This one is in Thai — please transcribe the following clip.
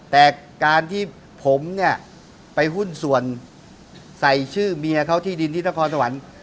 แต่การที่ผมเนี่ยไปหุ้นส่วนใส่ชื่อเมียเขาที่ดินที่นครสวรรค์